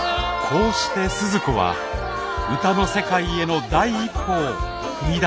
こうして鈴子は歌の世界への第一歩を踏み出したのです。